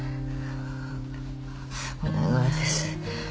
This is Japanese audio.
お願いです